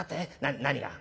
何が？